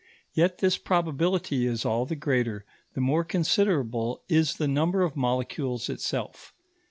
Yet this probability is all the greater the more considerable is the number of molecules itself.